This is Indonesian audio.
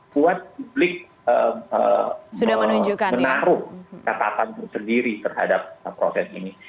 buat publik menaruh kekatatan sendiri terhadap proses ini